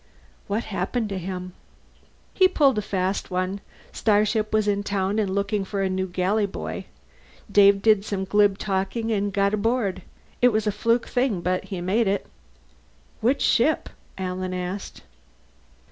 "What happened to him?" "He pulled a fast one. Starship was in town and looking for a new galley boy. Dave did some glib talking and got aboard. It was a fluke thing, but he made it." "Which ship?" Alan asked.